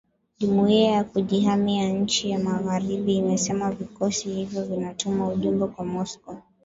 jumuia ya kujihami ya nchi za magharibi imesema vikosi hivyo vinatuma ujumbe kwa Moscow